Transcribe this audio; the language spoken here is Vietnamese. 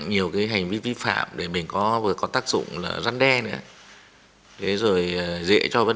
nhiều cái hành vi vi phạm để mình có tác dụng là răn đe nữa